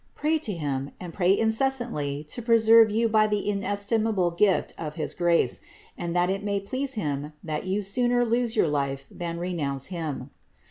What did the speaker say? Pray to him, and pray incessantly to preserve you by the inestimable gift of his grace, and that it may please him that you sooner lose your life than renounce him.